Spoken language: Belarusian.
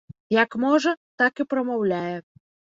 Як можа, так і прамаўляе.